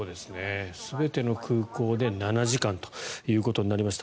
全ての空港で７時間ということになりました。